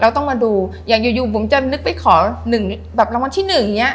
ต้องมาดูอย่างอยู่บุ๋มจะนึกไปขอหนึ่งแบบรางวัลที่หนึ่งอย่างเงี้